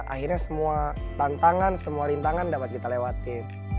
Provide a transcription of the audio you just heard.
akhirnya semua tantangan semua rintangan dapat kita lewatin